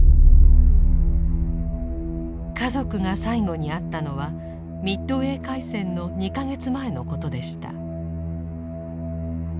家族が最後に会ったのはミッドウェー海戦の２か月前のことでした。